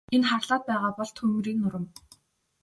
Энэ харлаад байгаа бол түймрийн нурам.